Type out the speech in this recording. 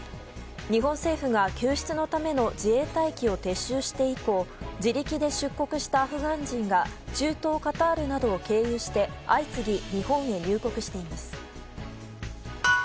日本政府が救出のための自衛隊機を撤収して以降自力で出国したアフガン人が中東カタールなどを経由して相次ぎ、日本へ入国しています。